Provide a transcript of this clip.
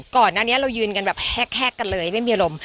ก่อนอันนี้เรายืนกันแฮกกันเลยไม่มีลม